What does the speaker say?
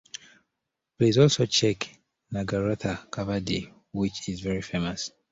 Please also check Nagarathar Kavadi which is very famous.